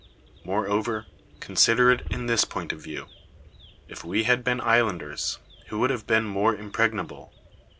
]Moreovcr, consider it [in this point of view] : if we had been islanders, who would have been more impregnable?